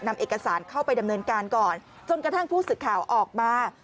นำเอกสารเข้าไปดำเนินการก่อนจนกระทั่งผู้สื่อข่าวออกมา